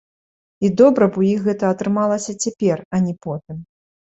І добра б у іх гэта атрымалася цяпер, а не потым.